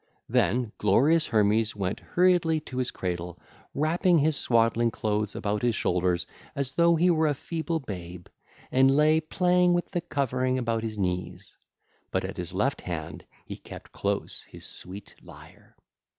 Then glorious Hermes went hurriedly to his cradle, wrapping his swaddling clothes about his shoulders as though he were a feeble babe, and lay playing with the covering about his knees; but at his left hand he kept close his sweet lyre.